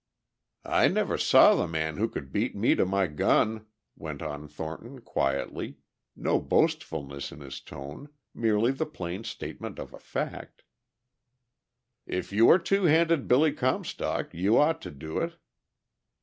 "I never saw the man who could beat me to my gun," went on Thornton quietly, no boastfulness in his tone, merely the plain statement of a fact. "If you are 'Two Hand Billy Comstock' you ought to do it."